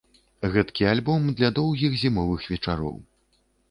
Гэтакі альбом для доўгіх зімовых вечароў.